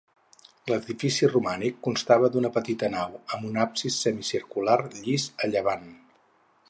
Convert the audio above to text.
L'edifici romànic constava d'una petita nau, amb un absis semicircular llis a llevant.